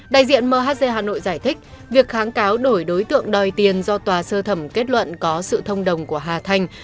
đại diện mhc hà nội giải thích việc kháng cáo đổi đối tượng đòi tiền do tòa sơ thẩm kết luận có sự thông đồng của hà thanh